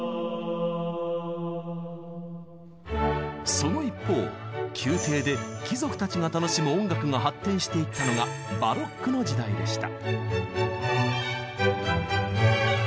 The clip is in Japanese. その一方宮廷で貴族たちが楽しむ音楽が発展していったのがバロックの時代でした。